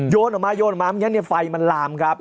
ออกมาโยนออกมาไม่งั้นไฟมันลามครับ